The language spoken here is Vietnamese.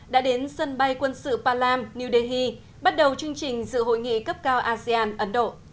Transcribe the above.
đã đến sân bay quân sự palam new delhi bắt đầu chương trình dự hội nghị cấp cao asean ấn độ